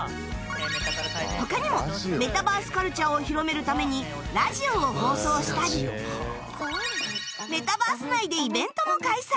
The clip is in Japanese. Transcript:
他にもメタバースカルチャーを広めるためにラジオを放送したりメタバース内でイベントも開催